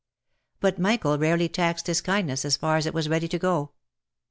But Michael rarely taxed his kindness as far as it was ready to go.